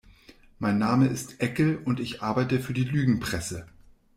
Mein Name ist Eckel und ich arbeite für die Lügenpresse.